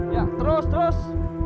ya terus terus